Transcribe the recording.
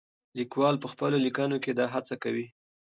لیکوال په خپلو لیکنو کې دا هڅه کوي.